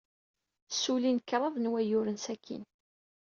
Ssullin kraḍ n wayyuren sakkin.